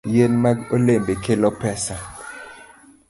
Yien mag olembe kelo pesa.